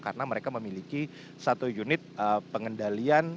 karena mereka memiliki satu unit pengendalian